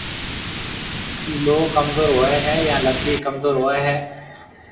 ڪِي لوه ڪمزور هوئي هيَ يان لڪڙِي ڪمزور هوئي هيَ؟